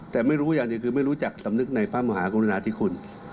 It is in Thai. แต่ไม่รู้อย่างนี้คือไม่รู้จักสำนึกในภาพมหากรณาที่คุณ